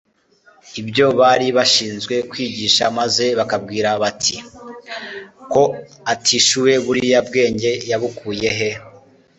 ibyo bari bashinzwe kwigisha maze bakabwirana bati :^«Ko atigishuwe, buriya bwenge yabukuye he?